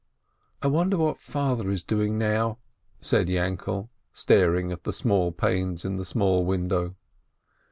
"I wonder what father is doing now," said Yainkele, staring at the small panes in the small window.